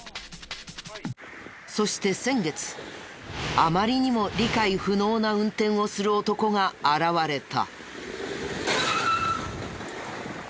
そして先月あまりにも理解不能な運転をする男が現れた。